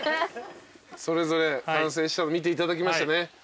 それぞれ完成したの見ていただきましたね？